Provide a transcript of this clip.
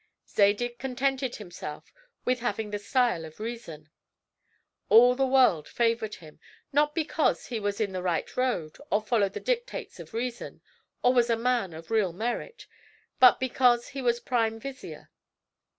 Zadig contented himself with having the style of reason. All the world favored him, not because he was in the right road or followed the dictates of reason, or was a man of real merit, but because he was prime vizier.